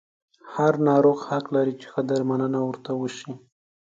هر ناروغ حق لري چې ښه درملنه ورته وشي.